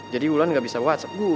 jadi bulan gak bisa whatsapp gue